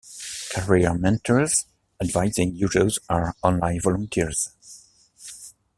Career mentors advising users are online volunteers.